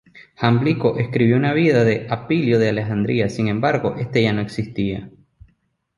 Jámblico escribió una vida de Alipio de Alejandría, sin embargo esta ya no existe.